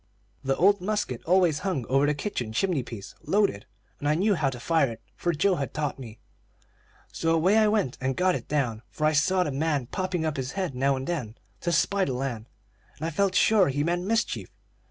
The old musket always hung over the kitchen chimney piece, loaded, and I knew how to fire it, for Joe had taught me. So away I went and got it down; for I saw the man popping up his head now and then to spy the land, and I felt sure he meant mischief.